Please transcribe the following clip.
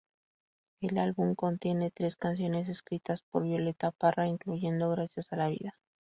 El álbum contiene tres canciones escritas por Violeta Parra, incluyendo "Gracias a la Vida".